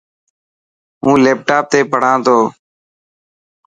هون ليپٽاپ تي پڙهان تو.